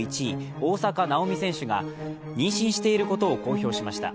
大坂なおみ選手が妊娠していることを公表しました。